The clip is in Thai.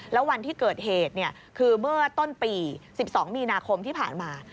แล้ววันที่เกิดเหตุคือเมื่อต้นปี๑๒มีนาคมที่ผ่านมา